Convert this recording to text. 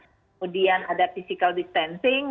kemudian ada physical distancing